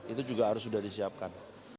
itu juga harus sudah disiapkan